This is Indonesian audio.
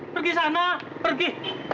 pergi sana pergi